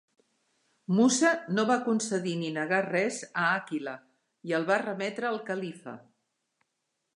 Mussa no va concedir ni negar res a Àquila, i el va remetre al califa.